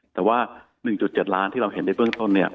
แต่ว่า๑๗ล้านที่เราเห็นในเบื้องต้นเนี่ย